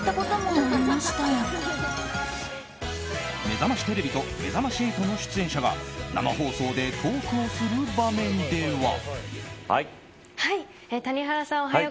「めざましテレビ」と「めざまし８」の出演者が生放送でトークをする場面では。